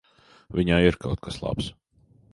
Viņā ir kaut kas labs.